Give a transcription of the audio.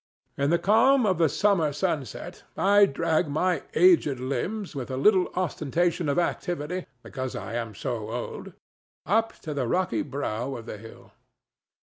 In the calm of the summer sunset I drag my aged limbs with a little ostentation of activity, because I am so old, up to the rocky brow of the hill.